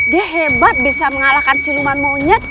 dia hebat bisa mengalahkan siluman monyet